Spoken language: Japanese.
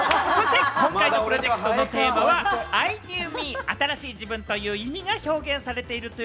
今回のプロジェクトのテーマはＩ，ＫｎｅｗＭｅ、新しい自分という意味が表現されているんです。